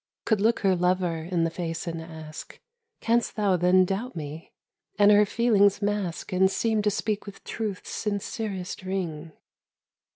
— Could look her lover in the face and ask "Canst thou then doubt me?" and her feelings mask And seem to speak with truth's sincerest ring.